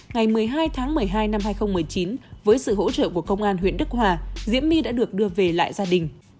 ngày một mươi hai tháng một mươi hai năm hai nghìn một mươi chín với sự hỗ trợ của công an huyện đức hòa diễm my đã được đưa về lại gia đình